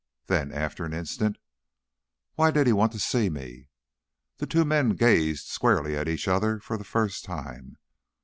Then, after an instant, "Why did he want to see me?" The two men gazed squarely at each other for the first time.